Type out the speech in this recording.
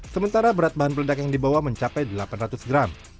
sementara berat bahan peledak yang dibawa mencapai delapan ratus gram